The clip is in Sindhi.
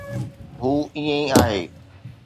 هو ائين ئي آهي